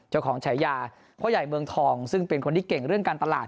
ฉายาพ่อใหญ่เมืองทองซึ่งเป็นคนที่เก่งเรื่องการตลาด